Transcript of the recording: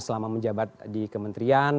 selama menjabat di kementerian